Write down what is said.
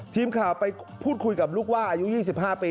ทีมข่าวไปพูดคุยกับลูกว่าอายุ๒๕ปี